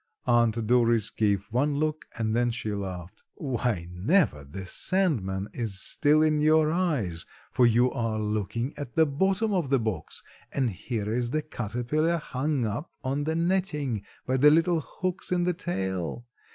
Aunt Doris gave one look and then she laughed. "Why, Neva, the sandman is still in your eyes, for you are looking at the bottom of the box and here is the caterpillar hung up on the netting by the little hooks in the tail.